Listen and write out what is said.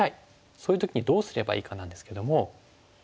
そういう時にどうすればいいかなんですけども。